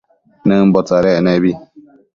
Nëmbo tsadtsec nebi